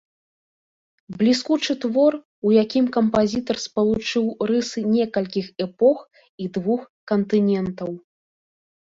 Бліскучы твор, у якім кампазітар спалучыў рысы некалькіх эпох і двух кантынентаў.